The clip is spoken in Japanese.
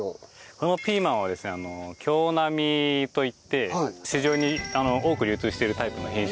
このピーマンはですね京波といって市場に多く流通しているタイプの品種になります。